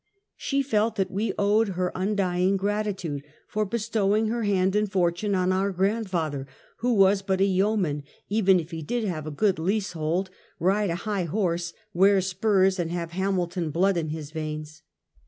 She felt that we owed her undying grati tude for bestowing her hand and fortune on our grand father, who was but a yoeman, even if " he did have a good leasehold, ride a high horse, wear spurs, and have Hamilton blood in his veins."